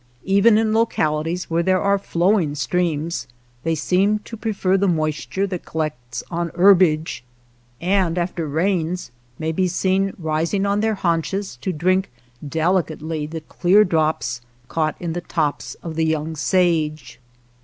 Even in localities where there are flowing streams they seem to prefer the moisture that collects on herbage, and after rains may be seen rising on their haunches to drink delicately the clear drops caught in the tops of the young sage.